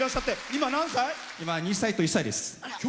今２歳と１歳です。